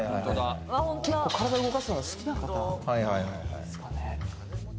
結構、体動かすのが好きな方じゃないですかね？